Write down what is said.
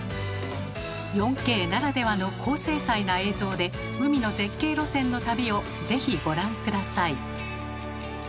４Ｋならではの高精細な映像で海の絶景路線の旅を是非ご覧下さい。